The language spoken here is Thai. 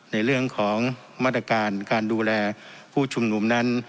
ในเรื่องของมาตรการการดูแลผู้ชุมนุมนั้น